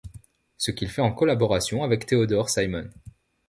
Ce qu'il fait en collaboration avec Théodore Simon.